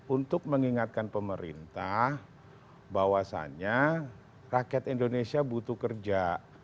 untuk mengingatkan pemerintah bahwasannya rakyat indonesia butuh kerja